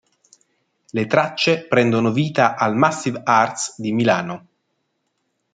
Le tracce prendono vita al Massive Arts di Milano.